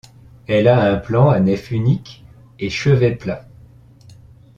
Elle a un plan à nef unique et chevet plat.